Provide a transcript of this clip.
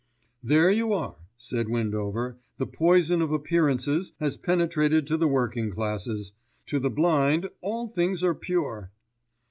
'" "There you are," said Windover, "the poison of appearances has penetrated to the working classes. To the blind all things are pure."